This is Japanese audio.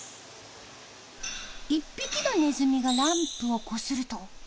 １匹のネズミがランプをこすると。